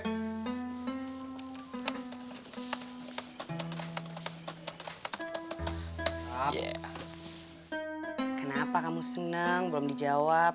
kenapa kamu senang belum dijawab